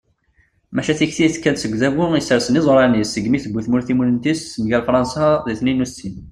maca tikti tekka-d seg udabu yessersen iẓuṛan-is segmi tewwi tmurt timunent-is mgal fṛansa di tniyen u settin